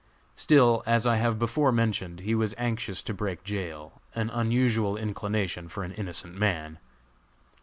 Still, as I have before mentioned, he was anxious to break jail an unusual inclination for an innocent man.